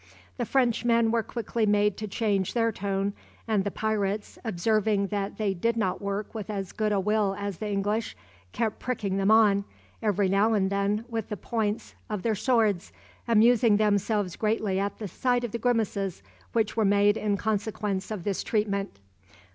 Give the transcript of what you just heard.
The Frenchmen were quickly made to change their tone, and the pirates, observing that they did not work with as good a will as the English, kept pricking them on, every now and then, with the points of their swords, amusing themselves greatly at the sight of the grimaces which were made in consequence of this treatment.